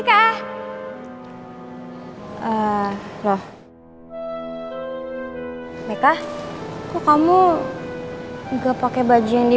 sampai jumpa di video selanjutnya